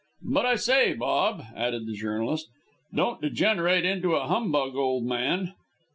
But I say, Bob," added the journalist, "don't degenerate into a humbug, old man."